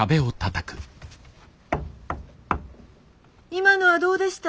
今のはどうでした？